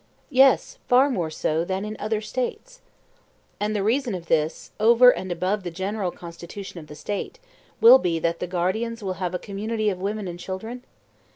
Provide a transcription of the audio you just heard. Yes, far more so than in other States. And the reason of this, over and above the general constitution of the State, will be that the guardians will have a community of women and children?